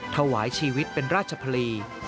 ถวายชีวิตเป็นราชพลี